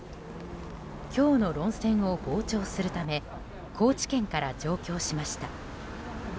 今日の論戦を傍聴するため高知県から上京しました。